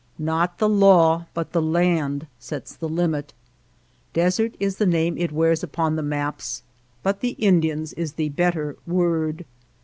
Not the law, but \^' the land sets the limit. Desert is the name it wears upon the maps, but the Indian's is the better word.